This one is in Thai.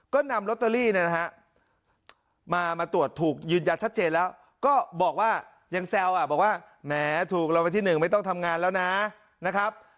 ก็นำลอตเตอรี่เนี่ยนะฮะมาตรวจถูกยืนยันชัดเจนแล้วก็บอกว่ายังแซวบอกว่าแหมถูกรางวัลที่๑ไม่ต้องทำงานแล้วนะครับ